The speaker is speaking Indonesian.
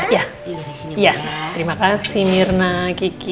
ya terima kasih mirna kiki